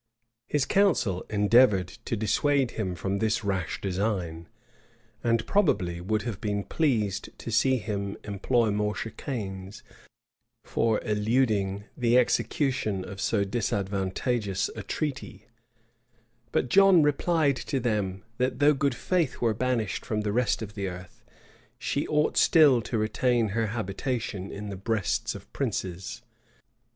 } His council endeavored to dissuade him from this rash design; and probably would have been pleased to see him employ more chicanes for eluding the execution of so disadvantageous a treaty: but John replied to them, that though good faith were banished from the rest of the earth, she ought still to retain her habitation in the breasts of princes.